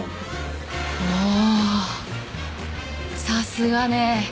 さすがね。